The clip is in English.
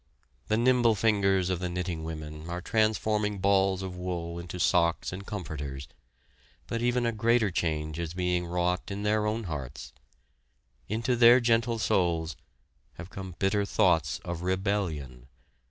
The nimble fingers of the knitting women are transforming balls of wool into socks and comforters, but even a greater change is being wrought in their own hearts. Into their gentle souls have come bitter thoughts of rebellion.